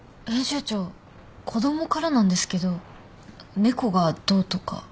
編集長子供からなんですけど猫がどうとか。